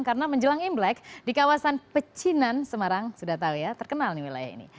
karena menjelang imlek di kawasan pecinan semarang sudah tahu ya terkenal nih wilayah ini